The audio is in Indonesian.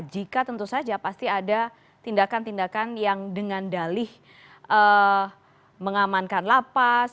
jika tentu saja pasti ada tindakan tindakan yang dengan dalih mengamankan lapas